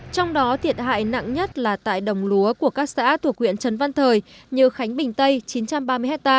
trong đó thiệt hại nặng nhất là tại đồng lúa của các xã thuộc huyện trần văn thời như khánh bình tây chín trăm ba mươi ha